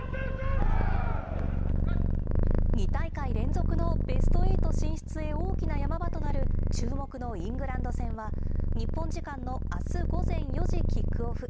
２大会連続のベスト８進出へ大きな山場となる注目のイングランド戦は日本時間のあす午前４時キックオフ。